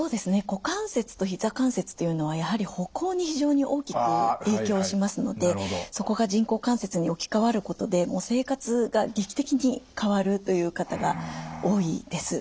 股関節とひざ関節というのはやはり歩行に非常に大きく影響しますのでそこが人工関節に置き換わることで生活が劇的に変わるという方が多いです。